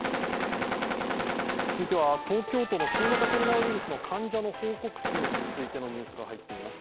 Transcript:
続いては、東京都の新型コロナウイルスの患者の報告数についてのニュースが入ってきています。